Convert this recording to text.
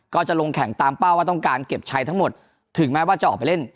ก็จะลงแข่งตามเป้าว่าต้องการเก็บใช้ทั้งหมดถึงแม้ว่าจะออกไปเล่น